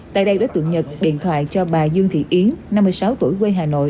tại đây đối tượng nhật điện thoại cho bà dương thị yến năm mươi sáu tuổi quê hà nội